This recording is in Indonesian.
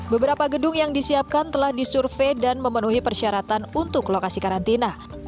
beberapa gedung yang disiapkan telah disurvey dan memenuhi persyaratan untuk lokasi karantina